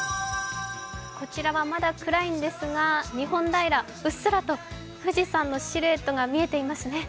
こちらはまだ暗いんですが日本平、うっすらと富士山のシルエットが見えていますね。